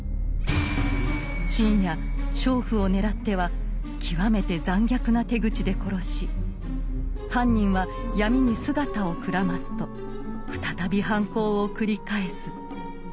深夜娼婦を狙っては極めて残虐な手口で殺し犯人は闇に姿をくらますと再び犯行を繰り返す。